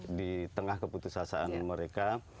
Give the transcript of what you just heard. di tengah keputusasaan mereka